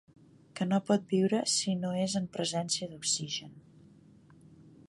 Que no pot viure si no és en presència d'oxigen.